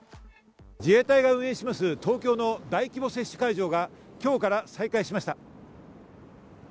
自衛隊が運営する東京の大規模接種会場が今日から再開しました。